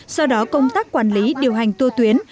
do đó công tác quản lý điều hành tua tuyến